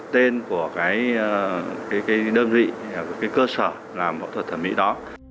tên của cái đơn vị của cái cơ sở làm phẫu thuật thẩm mỹ đó